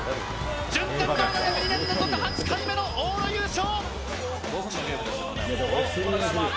順天堂大学２年連続８回目の往路優勝。